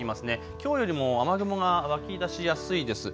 きょうよりも雨雲が湧き出しやすいです。